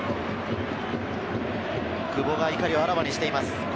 久保が怒りをあらわにしています。